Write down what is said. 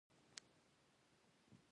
هغه خر ته ډیر کار نه ورکاوه.